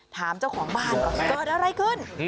ถามเจ้าของบ้านเกิดอะไรขึ้น